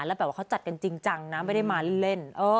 แล้วแบบว่าเขาจัดกันจริงจังนะไม่ได้มาเล่น